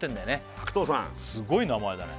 白頭山すごい名前だね